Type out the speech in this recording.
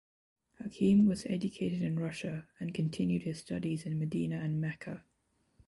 Hakim was educated in Russia and continued his studies in Medina and Mecca.